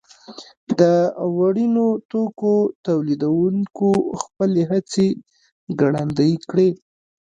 د وړینو توکو تولیدوونکو خپلې هڅې ګړندۍ کړې.